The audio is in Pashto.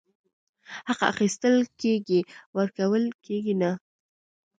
حق اخيستل کيږي، ورکول کيږي نه !!